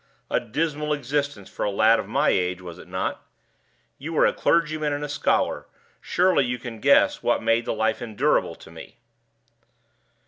A dismal existence for a lad of my age, was it not? You are a clergyman and a scholar surely you can guess what made the life endurable to me?"